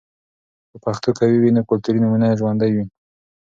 که پښتو قوي وي، نو کلتوري نمونه ژوندۍ وي.